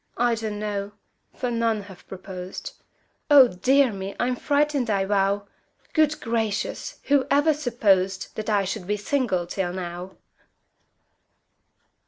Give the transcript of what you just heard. I don't know for none have proposed Oh, dear me! I'm frightened, I vow! Good gracious! who ever supposed That I should be single till now?